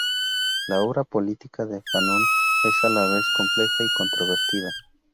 La obra política de Fanon es a la vez compleja y controvertida.